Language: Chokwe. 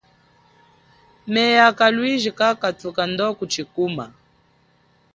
Myea a kalwiji kakadhuka ndo kuchikuma.